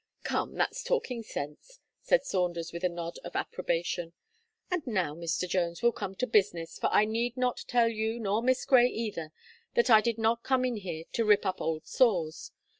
"Come, that's talking sense," said Saunders, with a nod of approbation, "and now, Mr. Jones, we'll come to business, for I need not tell you nor Miss Gray either, that I did not come in here to rip up old sores.